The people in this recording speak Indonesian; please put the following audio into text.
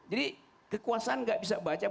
jadi kekuasaan tidak bisa baca